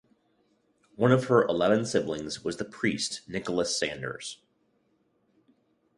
One of her eleven siblings was the priest Nicholas Sanders.